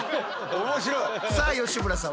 さあ吉村さん